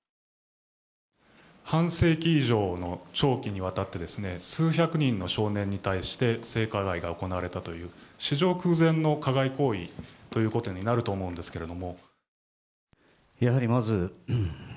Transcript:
半世紀以上の長期にわたって数百人の少年に対して性加害が行われたという史上空前の加害行為ということになると思うんですけど。